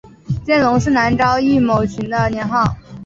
见龙是南诏异牟寻的年号。